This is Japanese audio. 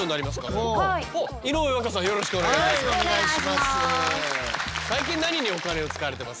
よろしくお願いします。